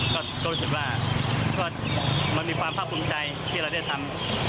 ก็รู้สึกว่ามันมีความภาพภูมิใจที่เราได้ทำ